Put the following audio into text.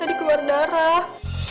tadi keluar darah